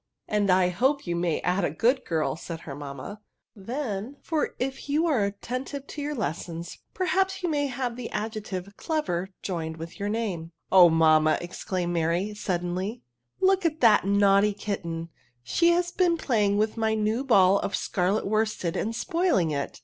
And I hope you may also add, a ^ooc? girl, said her mamma ;then if you are attentive to your lessons, perhaps you may have the adjective clever joined with your name." " Oh, mamma/' exclaimed Mary, sud denly, •*^ look at that naughty kitten, she has been playing with my new ball of scarlet worsted and spoiling it."